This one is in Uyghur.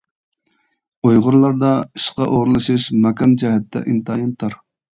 ئۇيغۇرلاردا ئىشقا ئورۇنلىشىش ماكان جەھەتتە ئىنتايىن تار.